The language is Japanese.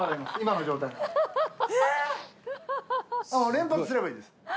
連発すればいいです。